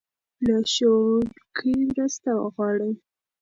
له ښوونکي مرسته وغواړه.